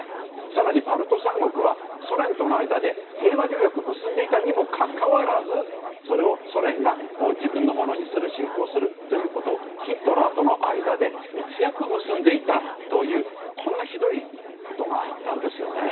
更にバルト三国は、ソ連との間で平和条約を結んでいたにもかかわらずそれをソ連が自分のものにする侵攻するということをヒトラーとの間で密約を結んでいたというひどいことがあったんですね。